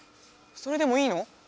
それでもいいの？